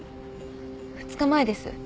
２日前です。